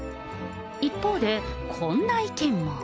一方で、こんな意見も。